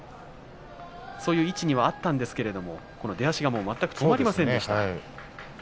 そういう位置にはあったんですけれども出足が全く止まりませんでした。